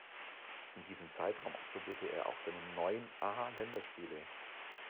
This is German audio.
In diesem Zeitraum absolvierte er auch seine neun A-Länderspiele.